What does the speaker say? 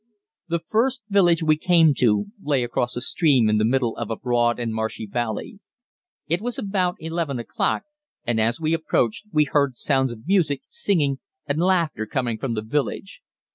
_ The first village we came to lay across a stream in the middle of a broad and marshy valley. It was about 11 o'clock, and as we approached we heard sounds of music, singing, and laughter coming from the village.